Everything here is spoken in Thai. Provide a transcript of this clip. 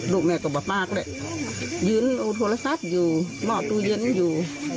ดูแม่กับปากเลยยืนเอาโทรศัพท์อยู่หมอตู้เย็นอยู่